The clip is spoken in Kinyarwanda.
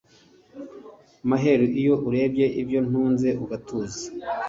maheru iyo urebye ibyo ntunze ugatuza